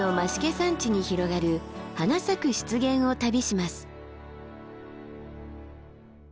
山地に広がる花咲く湿原を旅します。